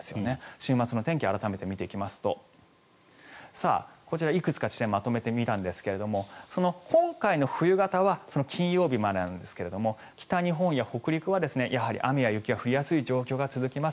週末の天気を改めて見ていきますとこちら、いくつかの地点をまとめてみたんですが今回の冬型は金曜日までなんですが北日本や北陸はやはり雨や雪が降りやすい状況が続きます。